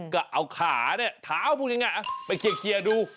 ก็เอาขาเนี่ยถาวพวกนี้ไงไปเคลียร์ดู